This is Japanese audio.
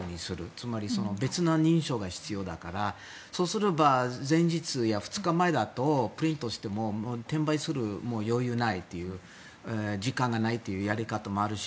つまり、別の認証が必要だからそうすれば前日や２日前だとプリントしても転売する余裕がない時間がないというやり方もあるし